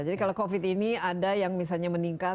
jadi kalau covid ini ada yang misalnya meningkat